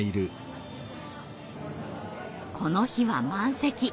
この日は満席。